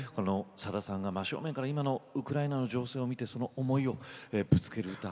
さださんが真正面から今のウクライナの情勢を見てその思いをぶつける歌。